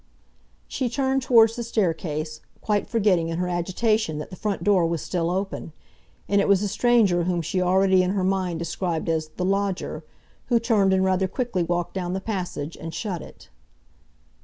She turned towards the staircase, quite forgetting in her agitation that the front door was still open; and it was the stranger whom she already in her mind described as "the lodger," who turned and rather quickly walked down the passage and shut it.